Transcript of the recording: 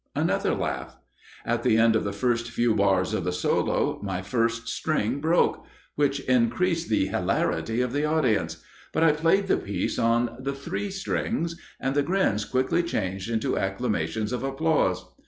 (Another laugh.) At the end of the first few bars of the solo, my first string broke, which increased the hilarity of the audience, but I played the piece on the three strings and the grins quickly changed into acclamations of applause."